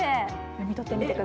読み取ってみる？